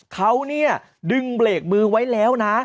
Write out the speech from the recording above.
เขาเนี่ยดึงเบรกมือไว้แล้วนะ